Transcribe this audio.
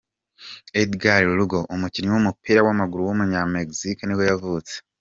Édgar Lugo, umukinnyi w’umupira w’amaguru w’umunyamegizike nibwo yavutse.